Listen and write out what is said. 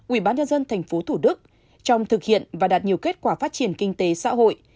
ủy ban nhân dân tp thủ đức trong thực hiện và đạt nhiều kết quả phát triển kinh tế xã hội